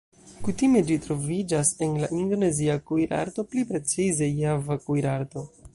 Kutime ĝi troviĝas en la Indonezia kuirarto, pli precize Java kuirarto.